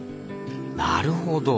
なるほど。